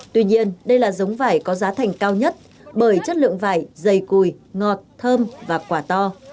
tuy nhiên đây là giống vải có giá thành cao nhất bởi chất lượng vải dày cùi ngọt thơm và quả to